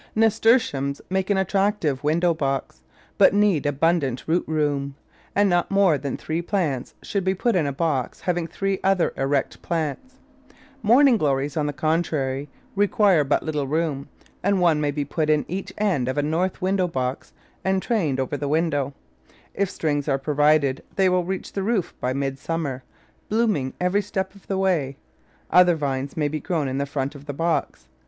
Nasturtiums make an attractive window box, but need abundant root room, and not more than three plants should be put in a box having three other erect plants. Morning glories, on the contrary, re quire but little room, and one may be put in each end of a north window box and trained over the window. If strings are provided they will reach the roof by midsummer, blooming every step of the way; other vines may be grown in the front of the box.